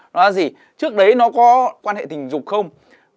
nó là gì trước đấy nó có quan hệ tình dục không